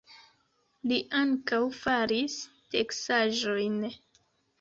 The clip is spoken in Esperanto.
Li ankaŭ faris teksaĵojn.